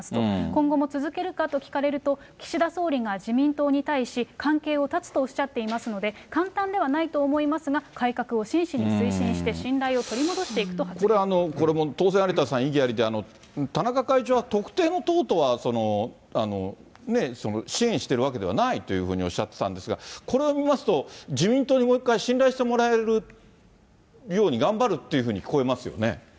今後も続けるかと聞かれると、岸田総理が自民党に対し、関係を断つとおっしゃっていますので、簡単ではないと思いますが、改革を真摯に推進して、これ、当然、有田さん異議ありで、田中会長は、特定の党とは、支援しているわけではないというふうにおっしゃってたんですが、これを見ますと、自民党にもう一回、信頼してもらえるように頑張るっていうふうに聞こえますよね。